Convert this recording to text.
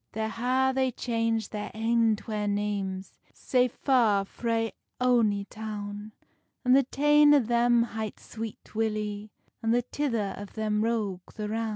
There ha they changed their ain twa names, Sae far frae ony town; And the tane o them hight Sweet Willy, And the tither o them Roge the Roun.